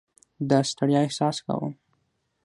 د ستړیا احساس کوم.